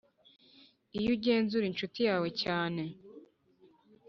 iyo ugenzura inshuti yawe cyane